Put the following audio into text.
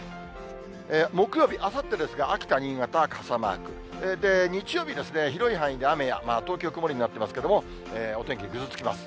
木曜日、あさってですが、秋田、新潟は傘マーク、日曜日、広い範囲で雨や、東京曇りになってますけれども、お天気ぐずつきます。